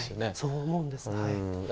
そう思うんですがええ。